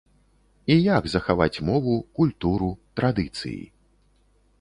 І як захаваць мову, культуру, традыцыі?